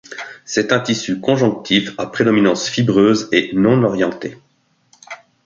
C'est un tissu conjonctif à prédominance fibreuse et non-orienté.